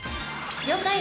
「了解！」